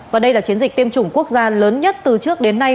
và đây là chiến dịch tiêm chủng quốc gia lớn nhất từ trước đến nay